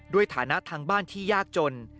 ฐานะทางบ้านที่ยากจน